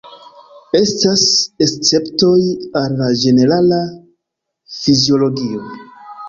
Estas esceptoj al la ĝenerala fiziologio.